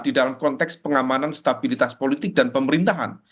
di dalam konteks pengamanan stabilitas politik dan pemerintahan